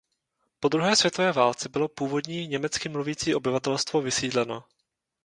Po druhé světové válce bylo původní německy mluvící obyvatelstvo vysídleno.